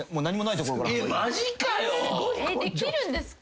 できるんですか？